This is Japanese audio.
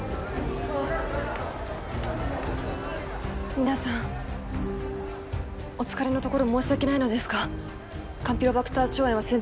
皆さんお疲れのところ申し訳ないのですがカンピロバクター腸炎は潜伏期間が長く。